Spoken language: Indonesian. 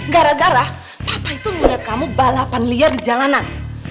gara gara papa itu menurut kamu balapan liar di jalanan